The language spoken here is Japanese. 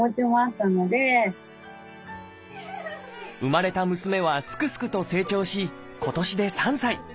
そうですね生まれた娘はすくすくと成長し今年で３歳。